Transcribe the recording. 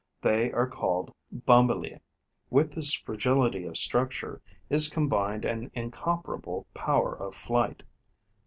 They are called Bombylii. With this fragility of structure is combined an incomparable power of flight.